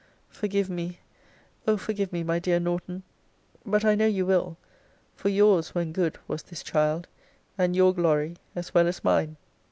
Forgive me, O forgive me, my dear Norton But I know you will; for yours, when good, was this child, and your glory as well as mine.